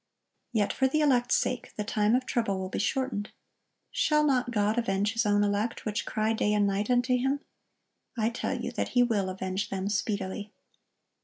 Yet for the elect's sake, the time of trouble will be shortened. "Shall not God avenge His own elect, which cry day and night unto Him?... I tell you that He will avenge them speedily."